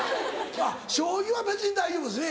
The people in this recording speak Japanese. あっ将棋は別に大丈夫ですね？